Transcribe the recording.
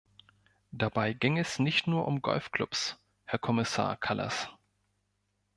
Dabei ging es nicht nur um Golfclubs, Herr Kommissar Kallas.